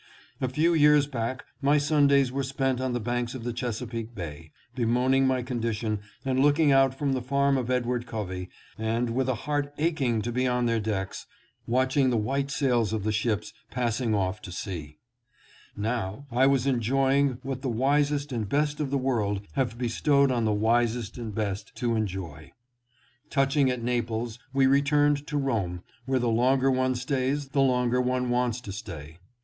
A few years back my Sun days were spent on the banks of the Chesapeake Bay, bemoaning my condition and looking out from the farm of Edward Covey, and, with a heart aching to be on their decks, watching the white sails of the ships pass 714 RETURN TO ROME. ing off to sea. Now I was enjoying what the wisest and best of the world have bestowed for the wisest and best to enjoy. Touching at Naples, we returned to Rome, where the longer one stays the longer one wants to stay.